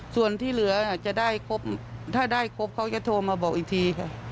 ส่วนที่เหลือจะได้ครบถ้าได้ครบเขาจะโทรมาบอกอีกทีค่ะ